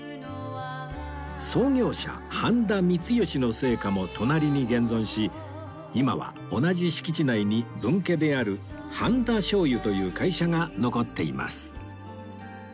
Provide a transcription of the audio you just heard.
創業者繁田満義の生家も隣に現存し今は同じ敷地内に分家である繁田醤油という会社が残っています